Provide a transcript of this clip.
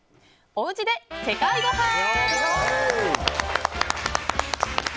おうちで世界ごはん。